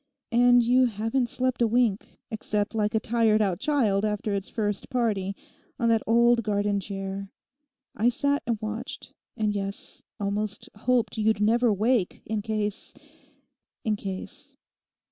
And you haven't slept a wink, except like a tired out child after its first party, on that old garden chair. I sat and watched, and yes, almost hoped you'd never wake in case—in case.